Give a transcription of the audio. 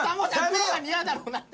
黒が似合うだろうなと。